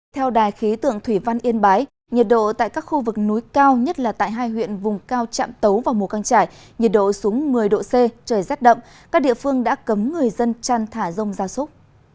theo đài khí tượng thủy văn yên bái nhiệt độ tại các khu vực núi cao nhất là tại hai huyện vùng cao trạm tấu và mù căng trải nhiệt độ xuống một mươi độ c trời rét đậm các địa phương đã cấm người dân chăn thả rông gia súc